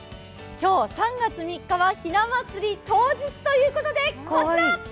今日３月３日は、ひな祭り当日ということで、こちら。